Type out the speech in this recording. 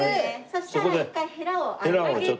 そしたら一回ヘラを上げて。